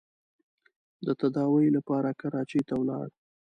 د تداوۍ لپاره کراچۍ ته ولاړ.